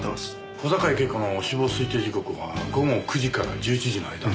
小坂井恵子の死亡推定時刻は午後９時から１１時の間。